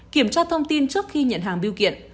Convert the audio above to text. kiểm tra thông tin trước khi nhận hàng biêu kiện